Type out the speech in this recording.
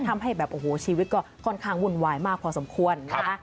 ทำให้แบบโอ้โหชีวิตก็ค่อนข้างวุ่นวายมากพอสมควรนะคะ